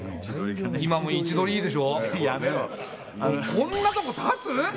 こんなところ立つ？